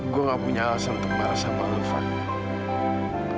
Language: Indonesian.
gue gak punya alasan untuk marah sama lo fadil